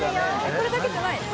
「これだけじゃない？」